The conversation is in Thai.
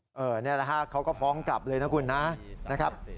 นี่แหละฮะเขาก็ฟ้องกลับเลยนะคุณนะนะครับ